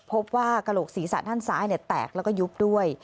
พบว่ากระโหลกศีรษะด้านซ้ายแตกแล้วก็ยุบด้วย